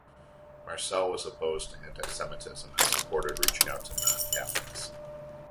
Marcel was opposed to anti-Semitism and supported reaching out to non-Catholics.